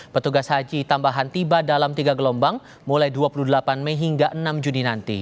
petugas haji tambahan tiba dalam tiga gelombang mulai dua puluh delapan mei hingga enam juni nanti